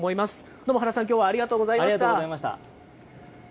どうも原さん、きょうはありがとありがとうございました。